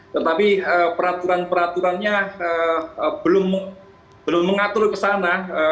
tetapi peraturan peraturannya belum mengatur ke sana